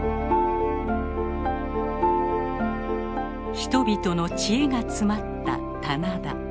人々の知恵が詰まった棚田。